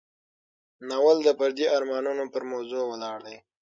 ناول د فردي ارمانونو پر موضوع ولاړ دی.